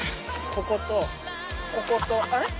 こことこことあれ？